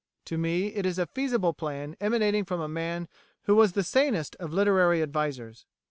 To me it is a feasible plan emanating from a man who was the sanest of literary advisers.